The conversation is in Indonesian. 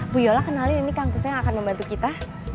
bu yola kenalin ini kangkung yang akan membantu kita